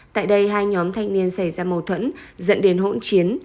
tại đây hai nhóm thanh niên xảy ra mâu thuẫn dẫn đến hỗn chiến